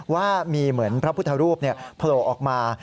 ว่ามีเหมือนพระพุทธรูปโผล่ออกมา